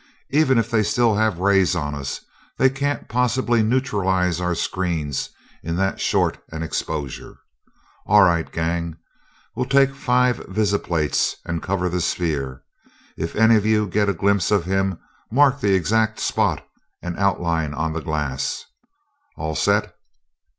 Even if they still have rays on us, they can't possibly neutralize our screens in that short an exposure. All right, gang? We'll take five visiplates and cover the sphere. If any of you get a glimpse of him, mark the exact spot and outline on the glass. All set?"